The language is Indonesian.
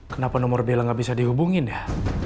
kenapa nomor bela gak bisa dihubungin ya